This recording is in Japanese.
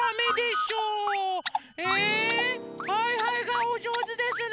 えはいはいがおじょうずですね。